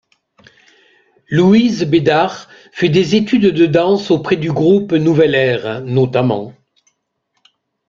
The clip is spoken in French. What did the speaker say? Louise Bédard fait des études de danse auprès du Groupe Nouvelle Aire notamment.